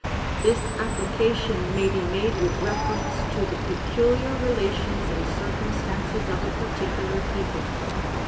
This application may be made with reference to the peculiar relations and circumstances of a particular people.